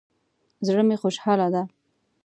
زړه می خوشحاله ده